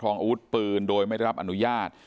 การลองอาวุธปืนโดยไม่รับอนุญาต